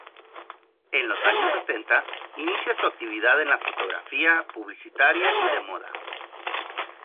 En los años setenta inicia su actividad en la fotografía publicitaria y de moda.